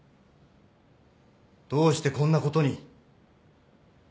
どうしてこんなことに？